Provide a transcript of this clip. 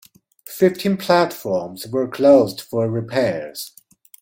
Fifteen platforms were closed for repairs.